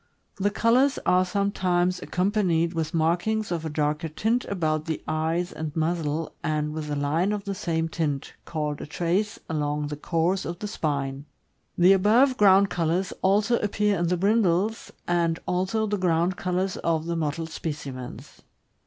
The colors are sometimes accompanied with markings of a darker tint about the eyes and muzzle, and with a line of the same tint (called a "trace") along the course of the spine. The above ground colors also appear in the brindles, and also the ground colors of the mottled specimens.